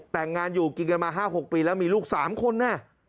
แต่งงานอยู่กินกันมา๕๖ปีแล้วมีลูก๓คน